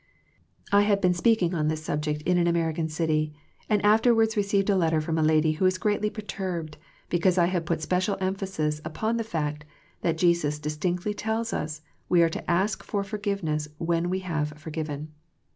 I had been speaking on this subject in an American city, and afterwards received a letter from a lady who was greatly perturbed because I had put special emphasis upon the fact that Jesus distinctly tells us we are to ask for forgiveness when we have forgiven.